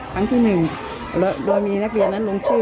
ครั้งที่หนึ่งโดยมีนักเรียนนั้นลงชื่อ